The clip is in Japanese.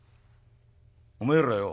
「おめえらよ